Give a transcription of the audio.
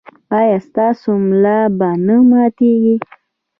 ایا ستاسو ملا به نه ماتیږي؟